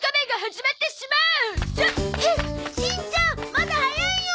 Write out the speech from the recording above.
まだ早いよー！